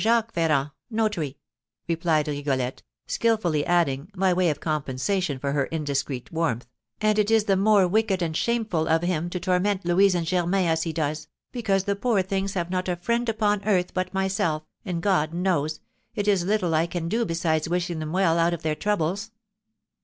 Jacques Ferrand, Notary," replied Rigolette, skilfully adding, by way of compensation for her indiscreet warmth, "and it is the more wicked and shameful of him to torment Louise and Germain as he does, because the poor things have not a friend upon earth but myself, and, God knows, it is little I can do besides wishing them well out of their troubles!"